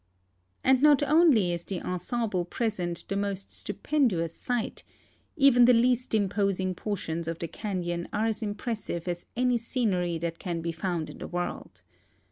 And not only is the ensemble present the most stupendous sight; even the least imj^osing portions of the canon are as im pressive as an}^ scenery that can be found in the world.